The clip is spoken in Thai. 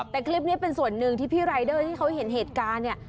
แต่คลิปนี้เป็นส่วนหนึ่งที่พี่รายเดอร์ที่เขาเห็นเหตุการณ์เนี่ย